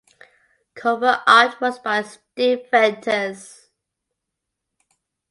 Cover art was by Steve Venters.